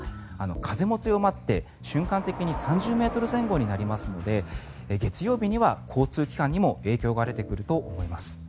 風も強まって瞬間的に３０ｍ前後になりますので月曜日には交通機関にも影響が出てくると思います。